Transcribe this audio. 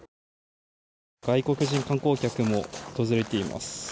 外国人観光客も訪れています。